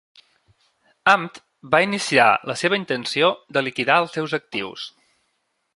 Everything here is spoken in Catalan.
Amp'd va indicar la seva intenció de liquidar els seus actius.